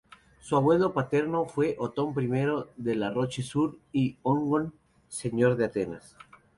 Su abuelo paterno fue Otón I de la Roche-sur-l'Ongon, señor de Atenas.